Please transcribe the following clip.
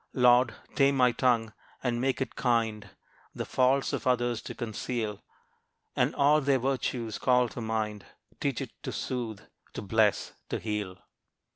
Lord, tame my tongue, and make it kind The faults of others to conceal And all their virtues call to mind; Teach it to soothe, to bless, to heal.